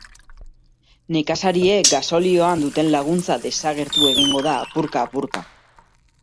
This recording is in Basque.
Nekazariek gasolioan duten laguntza desagertu egingo da apurka-apurka.